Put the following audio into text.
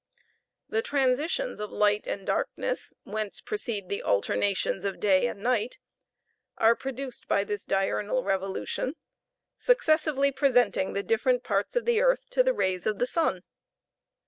The transitions of light and darkness, whence proceed the alternations of day and night, are produced by this diurnal revolution successively presenting the different parts of the earth to the rays of the sun.